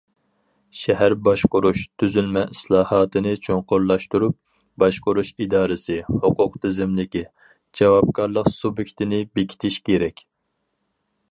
شەھەر باشقۇرۇش تۈزۈلمە ئىسلاھاتىنى چوڭقۇرلاشتۇرۇپ، باشقۇرۇش دائىرىسى، ھوقۇق تىزىملىكى، جاۋابكارلىق سۇبيېكتىنى بېكىتىش كېرەك.